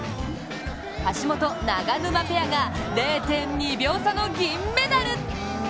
橋本・永沼ペアが０．２秒差の銀メダル。